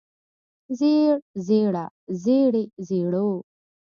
زېړ زېړه زېړې زېړو